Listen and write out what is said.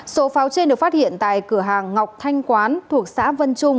số pháo trên được phát hiện tại cửa hàng ngọc thanh quán thuộc xã vân trung